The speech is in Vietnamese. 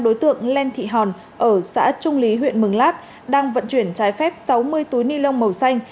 đối tượng len thị hòn ở xã trung lý huyện mường lát đang vận chuyển trái phép sáu mươi túi ni lông màu xanh